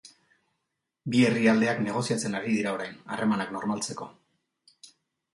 Bi herrialdeak negoziatzen ari dira orain, harremanak normaltzeko.